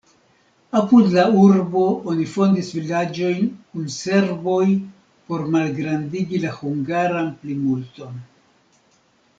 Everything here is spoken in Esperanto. Apud la urbo oni fondis vilaĝojn kun serboj por malgrandigi la hungaran plimulton.